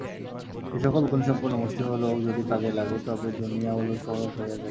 এই সকল গুণসম্পন্ন মুষ্টিমেয় লোক যদি কাজে লাগে, তবে দুনিয়া ওলটপালট হইয়া যায়।